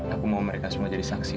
aku mau mereka semua jadi saksi